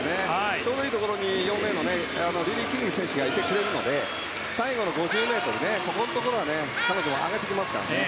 ちょうどいいところに４レーンのリリー・キング選手がいてくれるので最後の５０ｍのところは彼女は上げてきますからね。